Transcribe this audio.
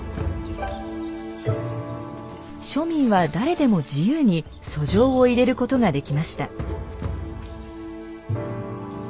庶民は誰でも自由に訴状を入れることができました。